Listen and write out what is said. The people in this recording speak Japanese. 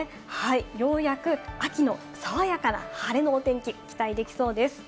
ようやく秋の爽やかな晴れのお天気、期待できそうです。